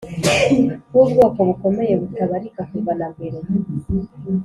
bubwoko bukomeye butabarika kuva na mbere